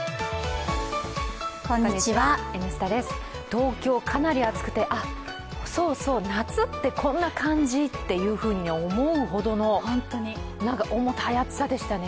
東京、かなり暑くてそうそう夏って、こんな感じっていうふうに思うほどの、なんか重たい暑さでしたね。